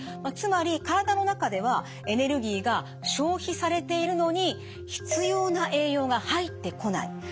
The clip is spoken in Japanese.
つまり体の中ではエネルギーが消費されているのに必要な栄養が入ってこない。